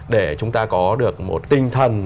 để chúng ta có được một tinh thần